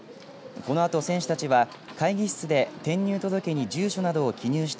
このあと選手たちは会議室で転入届に住所などを記入した